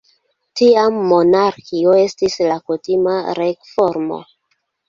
Tiam monarkio estis la kutima regformo.